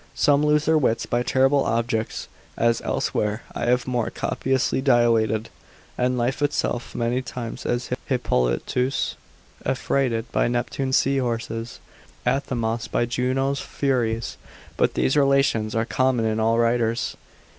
Some lose their wits by terrible objects (as elsewhere I have more copiously dilated) and life itself many times, as Hippolitus affrighted by Neptune's seahorses, Athemas by Juno's furies: but these relations are common in all writers.